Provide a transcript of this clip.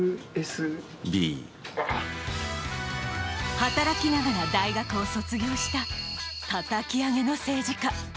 働きながら大学を卒業したたたき上げの政治家。